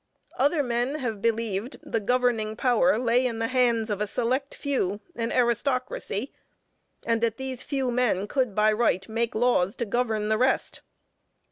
Other men have believed the governing power lay in the hands of a select few, an aristocracy, and that these few men could by right make laws to govern the rest.